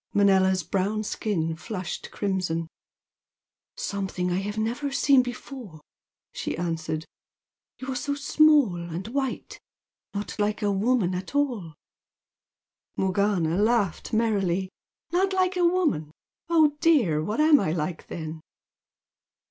Manella's brown skin flushed crimson. "Something I have never seen before!" she answered "You are so small and white! Not like a woman at all!" Morgana laughed merrily. "Not like a woman! Oh dear! What am I like then?"